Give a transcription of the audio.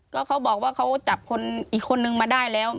ก็เขาบอกว่าเขาจับคนอีกคนนึงมาได้แล้ว